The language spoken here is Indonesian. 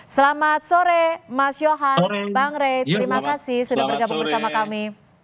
selamat sore mas yohan bang rey terima kasih sudah bergabung bersama kami